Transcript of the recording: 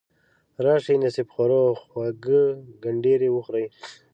راشئ نصیب خورو خواږه کنډیري وخورئ.